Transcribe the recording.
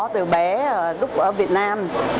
từ bé lúc ở việt nam